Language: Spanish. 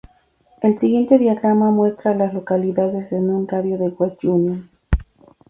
El siguiente diagrama muestra a las localidades en un radio de de West Union.